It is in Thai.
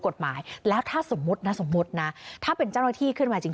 กฎหมายแล้วถ้าสมมุตินะสมมุตินะถ้าเป็นเจ้าหน้าที่ขึ้นมาจริง